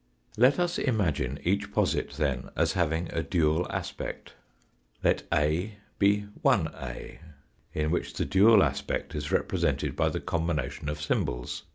Let us imagine each posit, then, as having, a dual aspect. Let a be la in which the dual aspect is represented by the combination of symbols.